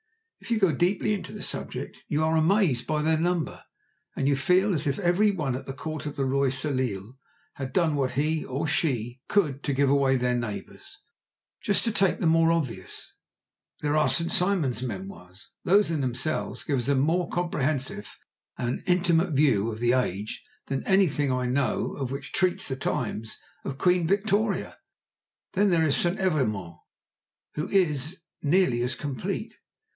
If you go deeply into the subject you are amazed by their number, and you feel as if every one at the Court of the Roi Soleil had done what he (or she) could to give away their neighbours. Just to take the more obvious, there are St. Simon's Memoirs—those in themselves give us a more comprehensive and intimate view of the age than anything I know of which treats of the times of Queen Victoria. Then there is St. Evremond, who is nearly as complete.